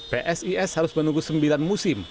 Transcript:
psis harus menunggu sembilan musim